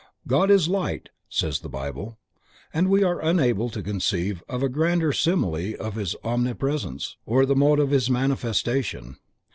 _ "God is Light," says the Bible, and we are unable to conceive of a grander simile of His Omnipresence, or the mode of His manifestation.